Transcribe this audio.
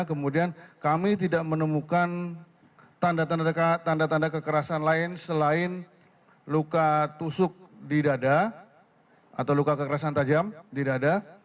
kemudian kami tidak menemukan tanda tanda kekerasan lain selain luka tusuk di dada atau luka kekerasan tajam di dada